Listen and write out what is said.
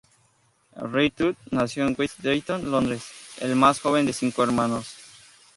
Rhind-Tutt nació en West Drayton, Londres, el más joven de cinco hermanos.